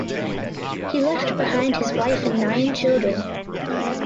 He left behind his wife and nine children.